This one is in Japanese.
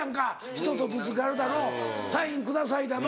人とぶつかるだの「サインください」だの。